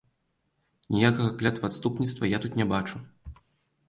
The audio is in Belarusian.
Ніякага клятваадступніцтва я тут не бачу.